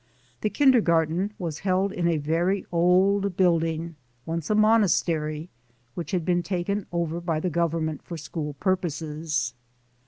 The kindergarten was held in a f^ery old building, once a monastery, which had been taken over by the government for school purposes.